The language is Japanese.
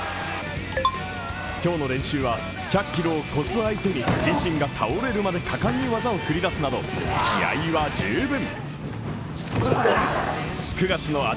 今日の練習は１００キロを超す相手に自身が倒れるまで果敢に技を繰り出すなど、気合は十分。